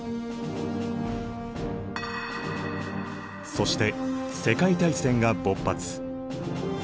そして世界大戦が勃発。